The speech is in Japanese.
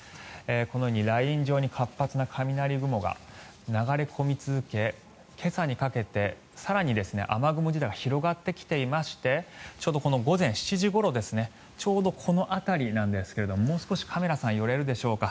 このようにライン状に活発な雷雲が流れ込み続け今朝にかけて、更に雨雲自体が広がってきていましてちょうど午前７時ごろちょうどこの辺りなんですがもう少しカメラさん寄れるでしょうか。